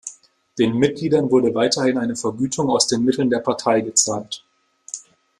Den Mitgliedern wurde weiterhin eine Vergütung aus den Mitteln der Partei gezahlt.